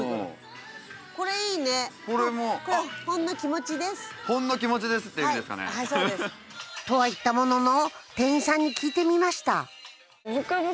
「ほんの気持ちです」っていう意味ですかね？とは言ったものの店員さんに聞いてみました